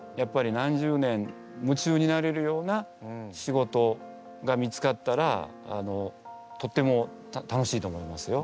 何十年夢中になれるような仕事が見つかったらとっても楽しいと思いますよ。